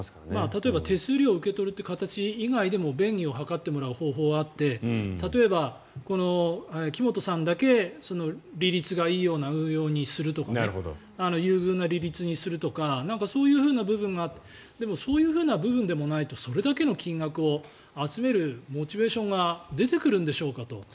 例えば、手数料を受け取るという形以外でも便宜を図ってもらう方法はあって例えば、木本さんだけ利率がいいような運用にするとか優遇な利率にするとかそういう部分がでもそういう部分でもないとするとそれだけの金額を集めるモチベーションが出てくるんでしょうかと。